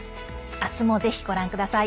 明日も、ぜひご覧ください。